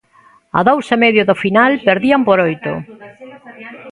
A dous e medio do final, perdían por oito.